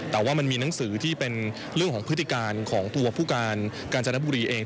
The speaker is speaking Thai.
แต่ว่ามันมีหนังสือที่เป็นเรื่องของพฤติการของตัวผู้การกาญจนบุรีเอง